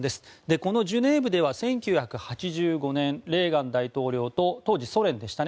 このジュネーブでは１９８５年レーガン大統領と当時、ソ連でしたね